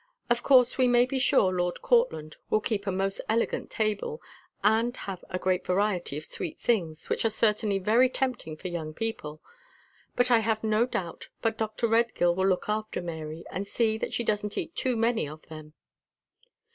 Of course we may be sure Lord Courtland will keep a most elegant table, and have a great variety of sweet things, which are certainly very tempting for young people; but I have no doubt but Dr. Redgill will look after Mary, and see that she doesn't eat too many of them."